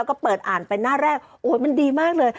ก็เปิดอ่านไปหน้าแรกโอ้ยมันดีมากเลย